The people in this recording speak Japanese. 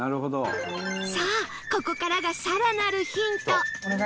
さあここからが更なるヒント